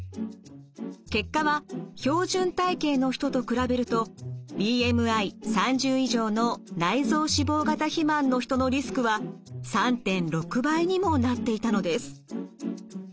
結果は標準体型の人と比べるとＢＭＩ３０以上の内臓脂肪型肥満の人のリスクは３．６倍にもなっていたのです。